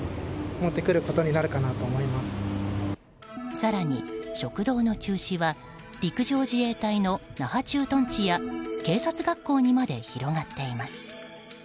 更に、食堂の中止は陸上自衛隊の那覇駐屯地や警察学校にまで広がっています。